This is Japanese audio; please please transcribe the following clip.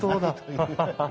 ハハハハッ。